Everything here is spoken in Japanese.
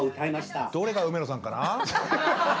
どれが梅野さんかな？